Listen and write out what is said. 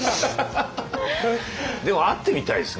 でも会ってみたいですね